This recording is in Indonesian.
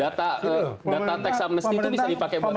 data tax amnesty itu bisa dipakai buat apa